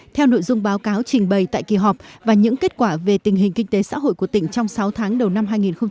theo nội dung báo cáo trình bày tại kỳ họp và những kết quả về tình hình kinh tế xã hội của tỉnh trong sáu tháng đầu năm hai nghìn một mươi chín